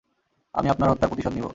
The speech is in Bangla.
আমি আপনার হত্যার প্রতিশোধ নিবো।